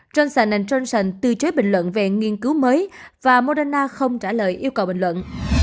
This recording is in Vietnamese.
johnson johnson từ chối bình luận về nghiên cứu mới và moderna không trả lời yêu cầu bình luận